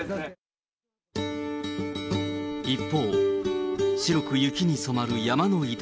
一方、白く雪に染まる山の頂。